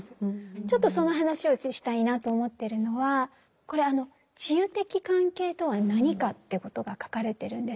ちょっとその話をしたいなと思ってるのはこれ治癒的関係とは何かということが書かれてるんです。